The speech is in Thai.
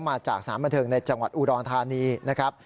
มาจากสารบันเทิงในจังหวัดอุดรธานีนะครับ